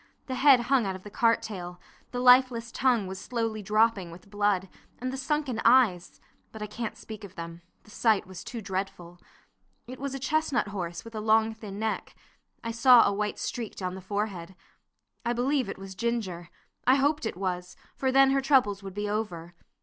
The head hung out of the cart tail, the lifeless tongue was slowly dropping with blood; and the sunken eyes! but I can't speak of them, the sight was too dreadful. It was a chestnut horse with a long, thin neck. I saw a white streak down the forehead. I believe it was Ginger; I hoped it was, for then her troubles would be over.